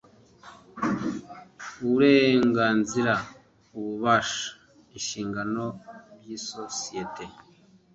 uburenganzira ububasha inshingano by isosiyete